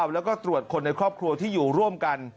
แล้วก็ตรวจคนในครอบครัวที่อยู่ร่วมกัน